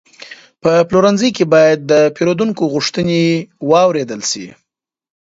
په پلورنځي کې باید د پیرودونکو غوښتنې واورېدل شي.